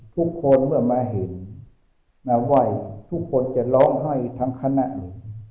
ทุกคนเมื่อมาเห็นมาไหว้ทุกคนจะร้องไห้ทั้งคณะเลย